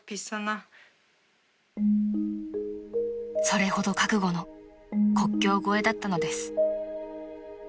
［それほど覚悟の国境越えだったのです］